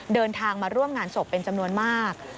เดินทางมาร่วมงานศพเป็นจำนวนมาก